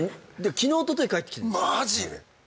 昨日おととい帰ってきたマジで？